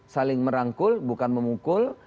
saling merangkul bukan memukul